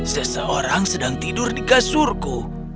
seseorang sedang tidur di kasurku